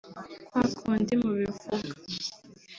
kwa kundi mubivuga